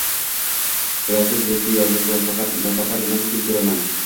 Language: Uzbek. Bilasiz, yakka-yolgʻizman, faqat nafaqa bilan kun koʻraman